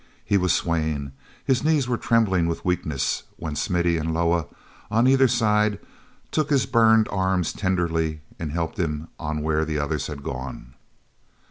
He was swaying; his knees were trembling with weakness when Smithy and Loah, on either side, took his burned arms tenderly and helped him on where the others had gone.